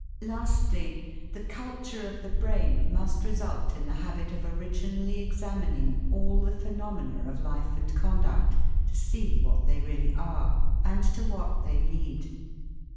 Lastly, the culture of the brain must result in the habit of originally examining all the phenomena of life and conduct, to see what they really are, and to what they lead.